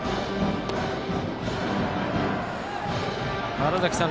川原崎さん